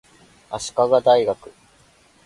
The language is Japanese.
足利大学